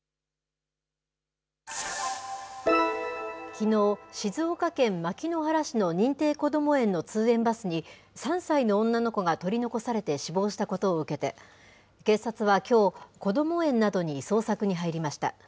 きのう、静岡県牧之原市の認定こども園の通園バスに、３歳の女の子が取り残されて死亡したことを受けて、警察はきょう、こども園などに捜索に入りました。